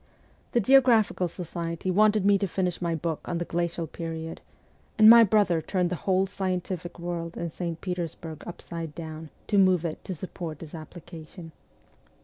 The Geographical Society wanted me to finish my book on the glacial period, and my brother turned the whole scientific world in St. Petersburg upside down to move it to support his application.